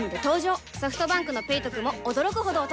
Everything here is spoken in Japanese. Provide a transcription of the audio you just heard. ソフトバンクの「ペイトク」も驚くほどおトク